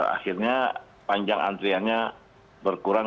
akhirnya panjang antriannya berkurang